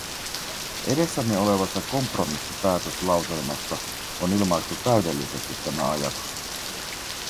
Edessämme olevassa kompromissipäätöslauselmassa on ilmaistu täydellisesti tämä ajatus.